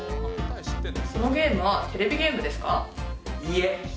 そのゲームはテレビゲームでいいえ。